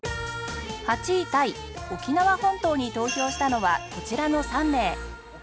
８位タイ沖縄本島に投票したのはこちらの３名